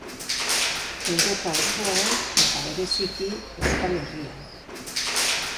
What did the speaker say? Europa osoan eta bereziki Euskal Herrian.